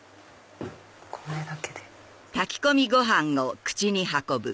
これだけで。